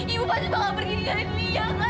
ibu pasti bakal pergi tinggalin lia kan